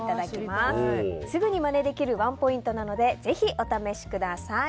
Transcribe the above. すぐにまねできるワンポイントなのでぜひお試しください。